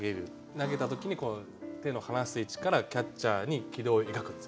投げた時に手の離す位置からキャッチャーに軌道を描くんですよね。